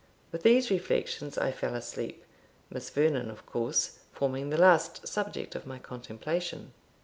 With these reflections I fell asleep, Miss Vernon, of course, forming the last subject of my contemplation.